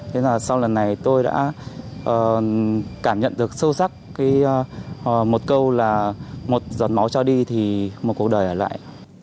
thế là sau lần này tôi đã cảm nhận được sâu sắc một câu là một giọt máu cho đi thì một cuộc đời ở lại